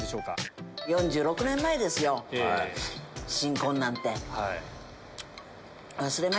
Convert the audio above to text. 新婚なんて。